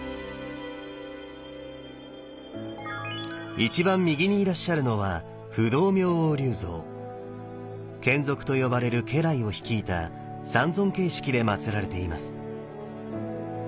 一番右にいらっしゃるのは眷属と呼ばれる家来を率いた三尊形式でまつられています。